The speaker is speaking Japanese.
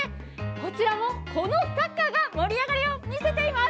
こちらもこのサッカーが盛り上がりを見せています。